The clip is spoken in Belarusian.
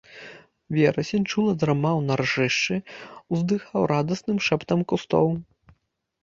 Верасень чула драмаў на ржышчы, уздыхаў радасным шэптам кустоў.